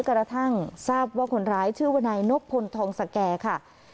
กระทั่งทราบว่าคนร้ายชื่อวนายนบพลทองสแก่ค่ะ